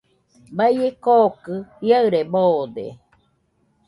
Baie kokɨ jiaɨre boode.